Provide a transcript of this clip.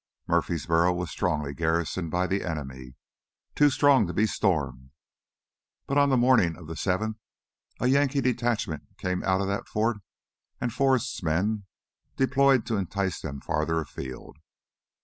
Murfreesboro was strongly garrisoned by the enemy, too strong to be stormed. But on the morning of the seventh a Yankee detachment came out of that fort and Forrest's men deployed to entice them farther afield.